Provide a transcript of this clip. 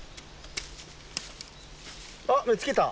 あ見つけた。